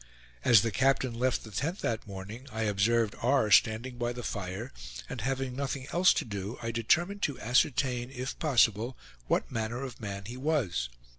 As the captain left the tent that morning, I observed R. standing by the fire, and having nothing else to do, I determined to ascertain, if possible, what manner of man he was.